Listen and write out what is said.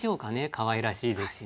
かわいらしいですしね。